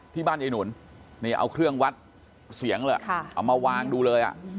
ที่บ้านยายหนุนนี่เอาเครื่องวัดเสียงเลยเอามาวางดูเลย